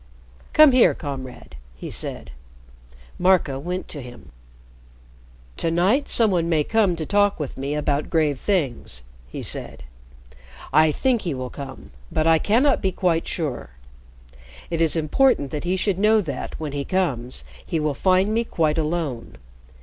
"Come here, Comrade," he said. Marco went to him. "To night some one may come to talk with me about grave things," he said. "I think he will come, but I cannot be quite sure. It is important that he should know that, when he comes, he will find me quite alone.